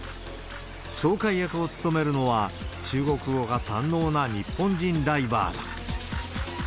紹介役を務めるのは、中国語が堪能な日本人ライバーだ。